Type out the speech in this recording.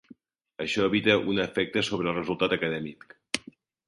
Això evita un efecte sobre el resultat acadèmic.